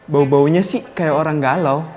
bau baunya sih kayak orang galau